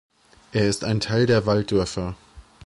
Er ist ein Teil der Walddörfer.